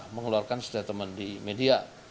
mengeluarkan statement di media